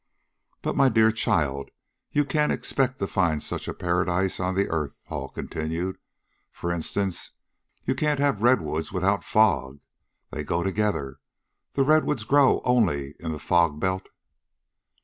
"But my dear child, you can't expect to find such a paradise on the earth," Hall continued. "For instance, you can't have redwoods without fog. They go together. The redwoods grow only in the fog belt."